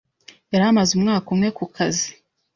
yari amaze umwaka umwe ku kazi,